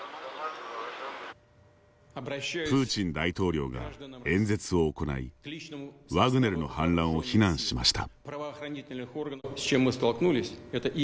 プーチン大統領が演説を行いワグネルの反乱を非難しました。